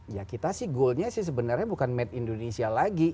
ya kita sih goalnya sih sebenarnya bukan made indonesia lagi